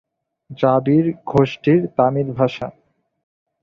দ্রাবিড়-গোষ্ঠীর তামিল ভাষা।